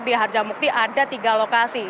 di harjamukti ada tiga lokasi